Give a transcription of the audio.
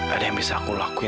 ada yang bisa aku lakuin